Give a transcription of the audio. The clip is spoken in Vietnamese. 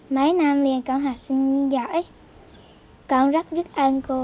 mấy năm liền con học sinh giỏi con rất biết ơn cô